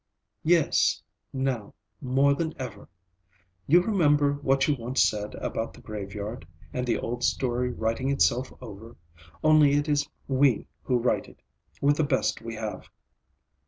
"Yes, now more than ever. You remember what you once said about the graveyard, and the old story writing itself over? Only it is we who write it, with the best we have."